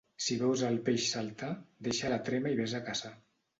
Si veus el peix saltar, deixa la trema i ves a caçar.